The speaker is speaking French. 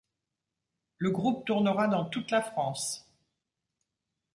Le groupe tournera dans toute la France.